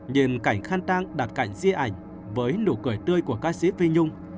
nhìn cảnh khăn trang đặt cạnh di ảnh với nụ cười tươi của ca sĩ phi nhung